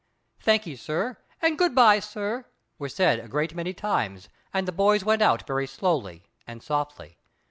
"Thank'ee, sir," and "Good bye, sir," were said a great many times, and the boys went out very slowly and softly.